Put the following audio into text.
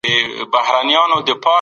که هدف روښانه سي نو هڅه نه بې لاري کېږي.